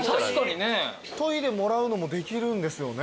研いでもらうのもできるんですよね。